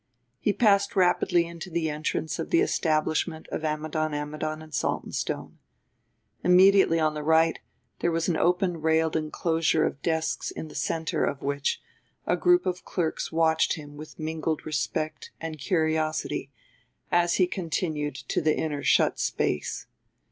He passed rapidly into the entrance of the establishment of Ammidon, Ammidon and Saltonstone. Immediately on the right there was an open railed enclosure of desks in the center of which a group of clerks watched him with mingled respect and curiosity as he continued to the inner shut space.